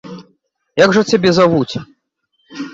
Як жа цябе завуць?